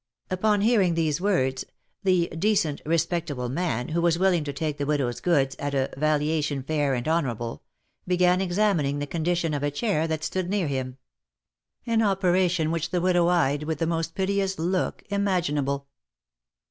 Upon hearing these words, " the decent, respectable man," who was willing to take the widow's goods, at a " valiation fair and honourable," began examining the condition of a chair that stood near him ; an operation which the widow eyed with the most piteous look imaginable.